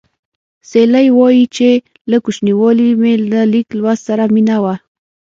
سیلۍ وايي چې له کوچنیوالي مې له لیک لوست سره مینه وه